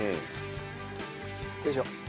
よいしょ。